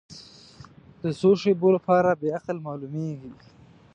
د څو شیبو لپاره بې عقل معلومېږي.